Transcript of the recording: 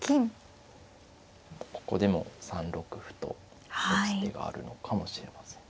ここでも３六歩と打つ手があるのかもしれません。